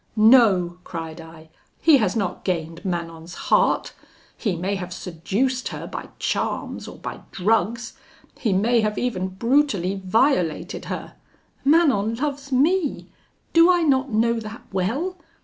'No!' cried I; 'he has not gained Manon's heart; he may have seduced her by charms, or by drugs; he may have even brutally violated her. Manon loves me. Do I not know that well?